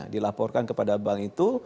dilaporkan kepada bank itu